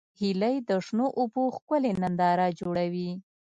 هیلۍ د شنو اوبو ښکلې ننداره جوړوي